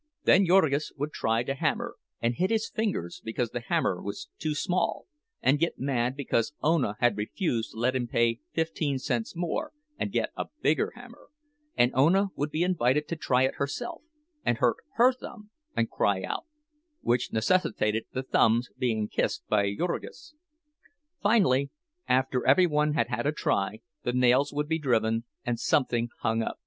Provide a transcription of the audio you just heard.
Then Jurgis would try to hammer, and hit his fingers because the hammer was too small, and get mad because Ona had refused to let him pay fifteen cents more and get a bigger hammer; and Ona would be invited to try it herself, and hurt her thumb, and cry out, which necessitated the thumb's being kissed by Jurgis. Finally, after every one had had a try, the nails would be driven, and something hung up.